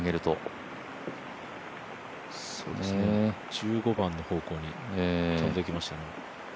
１５番の方向に飛んでいきましたね。